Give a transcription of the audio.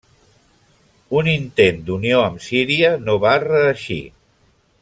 Un intent d'unió amb Síria no va reeixir.